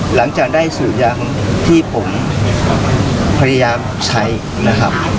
หลังจากได้สื่อยังที่ผมพยายามใช้นะครับ